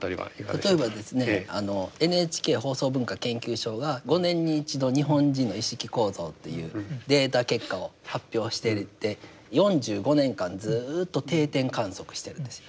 例えばですねＮＨＫ放送文化研究所が５年に一度日本人の意識構造というデータ結果を発表してて４５年間ずっと定点観測しているんです。